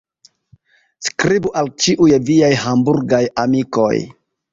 Skribu al ĉiuj viaj Hamburgaj amikoj.